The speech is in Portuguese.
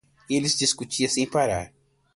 Eles discutiam sem parar.